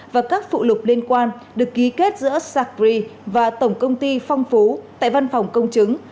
và các phụ lục liên quan được ký kết giữa sacri và tổng công ty phong phú tại văn phòng công chứng